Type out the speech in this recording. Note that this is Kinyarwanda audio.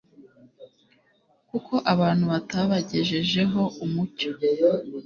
kuko abantu batabagejejeho umucyo;